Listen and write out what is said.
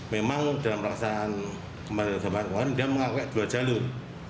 memang dalam perasaan kemarin dia mengakue dua jalur